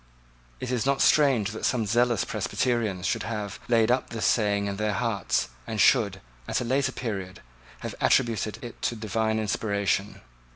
It is not strange that some zealous Presbyterians should have laid up his saying in their hearts, and should, at a later period, have attributed it to divine inspiration.